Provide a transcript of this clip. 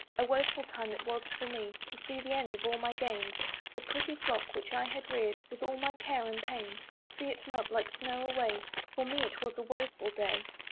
A woeful time it was for me, To see the end of all my gains, The pretty flock which I had reared With all my care and pains, To see it melt like snow away! For me it was a woeful day.